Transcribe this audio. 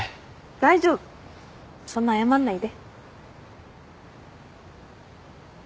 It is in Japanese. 大丈夫そんな謝んないで。